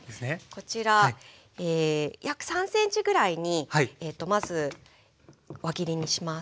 こちら約３ｃｍぐらいにまず輪切りにします。